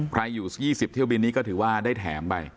อยู่๒๐เที่ยวบินนี้ก็ถือว่าได้แถมไป